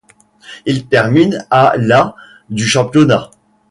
Il termine à la du championnat.